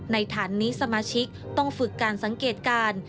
ฐานนี้สมาชิกต้องฝึกการสังเกตการ